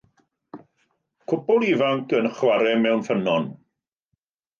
Cwpwl ifanc yn chwarae mewn ffynnon.